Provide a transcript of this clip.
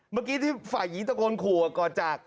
เมื่อกี้ที่ฝ่ายหญิงตะโกนขู่ก่อนจาก